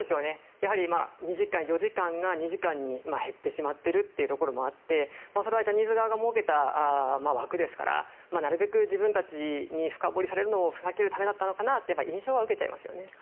やはり、４時間が２時間に減ってしまっているところもありジャニーズ側が設けた枠ですからなるべく深掘りされるのを避けるためだったのかなという印象は受けてしまいますよね。